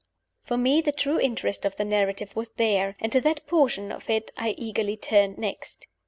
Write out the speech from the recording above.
For me, the true interest of the narrative was there and to that portion of it I eagerly turned next.